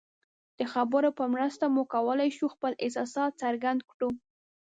د خبرو په مرسته موږ کولی شو خپل احساسات څرګند کړو.